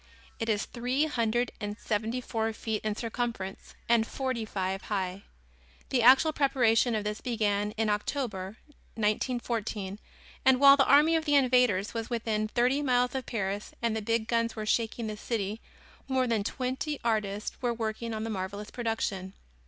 It is three hundred and seventy four feet in circumference and forty five high. The actual preparation of this began in October, 1914, and while the army of the invaders was within thirty miles of Paris and the big guns were shaking the city, more than twenty artists were working on the marvelous production.